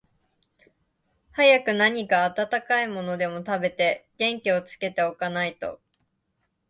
早く何か暖かいものでも食べて、元気をつけて置かないと、